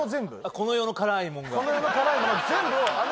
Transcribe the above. この世の辛いもの